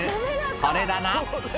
これだな。